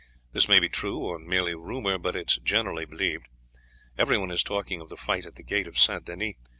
This may be true or merely rumour, but it is generally believed. Everyone is talking of the fight at the gate of St. Denis.